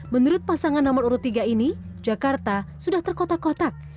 menurut pasangan nomor urut tiga ini jakarta sudah terkotak kotak